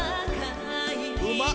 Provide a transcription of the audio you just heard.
うまっ！